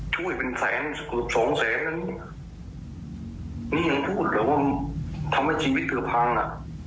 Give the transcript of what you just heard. ช่วยเป็นแสนสักเกือบสองแสนแล้วนี่นี่ยังพูดหรือว่าทำให้ชีวิตเกือบพังอ่ะ